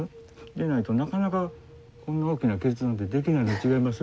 でないとなかなかこんな大きな決断ってできないと違います？